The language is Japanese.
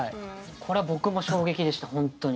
これは僕も衝撃でした本当に。